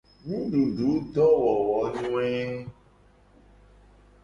Nudududowowonyoe.